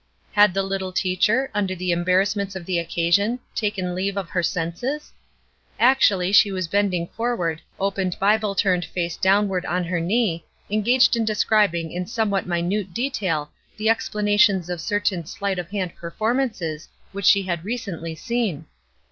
Had the little teacher, under the embarrassments of the occasion, taken leave of her senses? Actually she was bending forward, opened Bible turned face downward on her knee, engaged in describing in somewhat minute detail the explanations of certain slight of hand performances which she had recently seen!